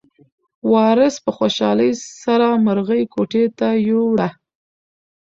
وارث په خوشحالۍ سره مرغۍ کوټې ته یووړه.